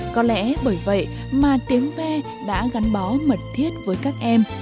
có lẽ bởi vậy mà tiếng ve đã gắn bó mật thiết với các em